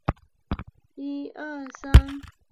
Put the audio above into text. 县莅位于丰田市镇。